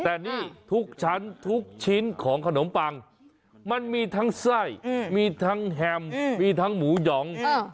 แต่นี่ทุกชั้นทุกชิ้นของขนมปังมันมีทั้งไส้มีทั้งแฮมมีทั้งหมูหยอง